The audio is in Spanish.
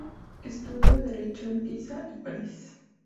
Estudio derecho en Pisa y París.